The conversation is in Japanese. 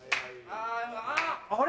あれ？